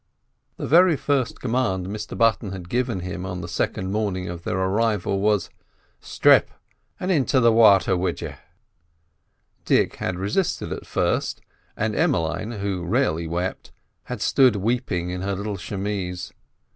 The very first command Mr Button had given on the second morning of their arrival was, "Strip and into the water wid you." Dick had resisted at first, and Emmeline (who rarely wept) had stood weeping in her little chemise.